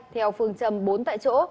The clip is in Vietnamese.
theo phương châm bốn tại chỗ